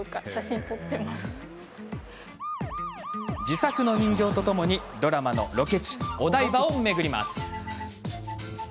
自作の人形とともにドラマのロケ地お台場を巡ります。